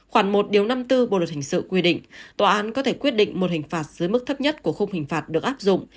khoảng một điều năm mươi bốn bộ luật hình sự quy định tòa án có thể quyết định một hình phạt dưới mức thấp nhất của khung hình phạt được áp dụng